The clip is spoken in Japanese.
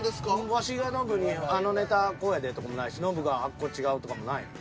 ワシがノブに「あのネタこうやで」とかもないしノブが「あっこ違う」とかもないのよ。